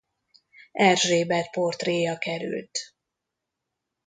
Erzsébet portréja került.